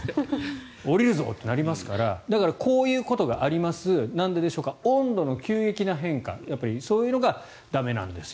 降りるぞってなりますからだから、こういうことがありますなんででしょうか温度の急激な変化そういうのが駄目なんですよ